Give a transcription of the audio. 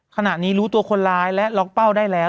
ขณะนี้รู้ตัวคนร้ายและล็อกเป้าได้แล้ว